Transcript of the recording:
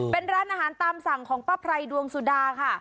เป็นร้านอาหารตามสั่งของป้าไพรดวงสุดาค่ะ